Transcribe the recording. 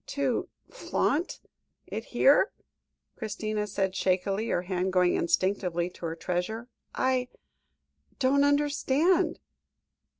] "To flaunt it here?" Christina said shakily, her hand going instinctively to her treasure. "I don't understand."